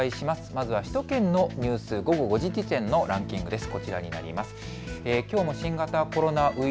まずは首都圏のニュース、午後５時時点のランキングです。